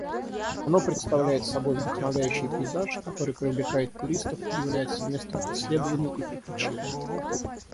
Оно представляет собой вдохновляющий пейзаж, который привлекает туристов и является местом исследований и приключений.